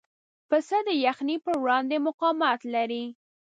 پسه د یخنۍ پر وړاندې مقاومت لري.